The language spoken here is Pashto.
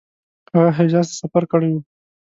هغه حجاز ته سفر کړی وو.